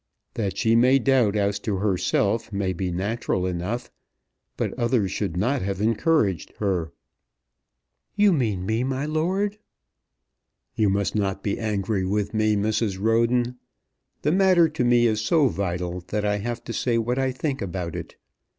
That she may doubt as to herself may be natural enough, but others should not have encouraged her." "You mean me, my lord?" "You must not be angry with me, Mrs. Roden. The matter to me is so vital that I have to say what I think about it.